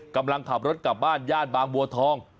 กำลังขับรถกลับบ้านย่านบางบัวทอง